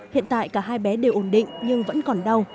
hiện tại cả hai bé đều ổn định nhưng vẫn còn đau